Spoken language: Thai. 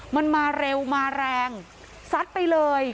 มันมาเร็วมาแรงซัดไปเลย